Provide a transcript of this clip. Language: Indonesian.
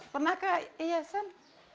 pernahkah iya kan